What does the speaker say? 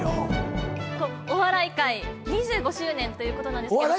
お笑い界２５周年ということなんですけど。